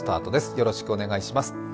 よろしくお願いします。